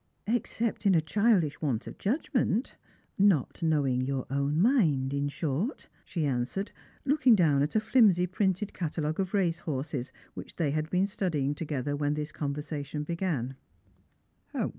"Except in a childish want of judgment — not knowing your own mind, in short," she answered, looking down at a flimsy printed catalogue of racehorses which they had been studying together when this conversation began.